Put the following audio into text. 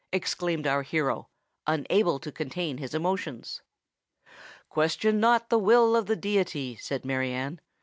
exclaimed our hero, unable to contain his emotions. "Question not the will of the deity," said Mary Anne.